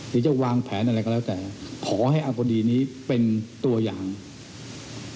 มีจะวางแผนอะไรก็แล้วแต่